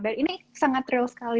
dan ini sangat real sekali